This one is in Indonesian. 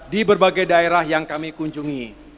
di berbagai daerah yang kami kunjungi